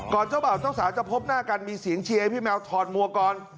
เจ้าบ่าวเจ้าสาวจะพบหน้ากันมีเสียงเชียร์ให้พี่แมวถอดมัวก่อน